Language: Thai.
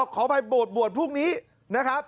ขออภัยบวชบวชพรุ่งนี้นะครับ